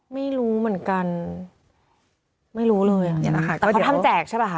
ไม่รู้เหมือนกันไม่รู้เลยอ่ะค่ะแต่เขาทำแจกใช่ป่ะคะ